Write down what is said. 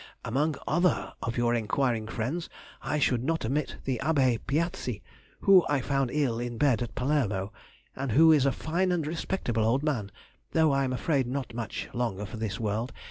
Among other of your enquiring friends I should not omit the Abbé Piazzi, whom I found ill in bed at Palermo, and who is a fine respectable old man, though I am afraid not much longer for this world.